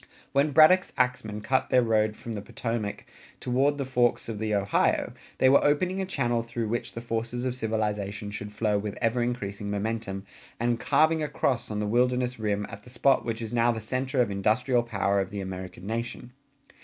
When Braddock's axmen cut their road from the Potomac toward the forks of the Ohio they were opening a channel through which the forces of civilization should flow with ever increasing momentum and "carving a cross on the wilderness rim" at the spot which is now the center of industrial power of the American nation.